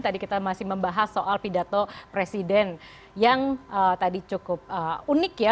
tadi kita masih membahas soal pidato presiden yang tadi cukup unik ya